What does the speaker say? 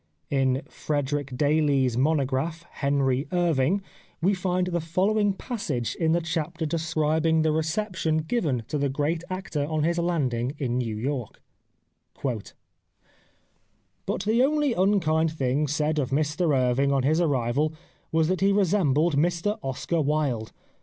In Frederic Daly's mono graph, " Henry Irving," we find the following passage in the chapter describing the reception 195 The Life of Oscar Wilde given to the great actor on his landing in New York :—" But the only unkind thing said of Mr Irving on his arrival was that he resembled Mr Oscar Wilde.